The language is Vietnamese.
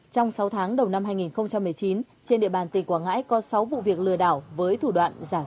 trong sáu tháng đầu năm hai nghìn một mươi chín trên địa bàn tỉnh quảng ngãi có sáu vụ việc lừa đảo